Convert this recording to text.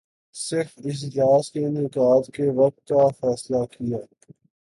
صرف اجلاس کے انعقاد کے وقت کا فیصلہ کیا